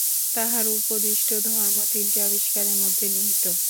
তাঁহার উপদিষ্ট ধর্ম তিনটি আবিষ্কারের মধ্যে নিহিত।